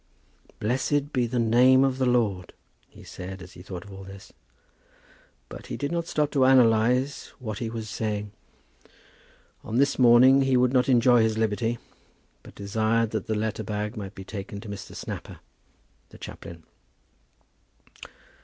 "Blessed be the name of the Lord," he said as he thought of all this; but he did not stop to analyse what he was saying. On this morning he would not enjoy his liberty, but desired that the letter bag might be taken to Mr. Snapper, the chaplain.